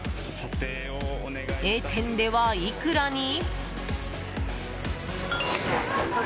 Ａ店では、いくらに？